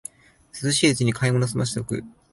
涼しいうちに買い物をすませておく